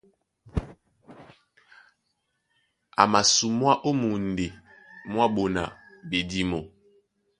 A masumwá ó mundi mwá ɓona ɓedímo.